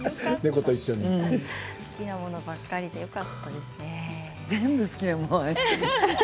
好きなものばっかりでよかったですね。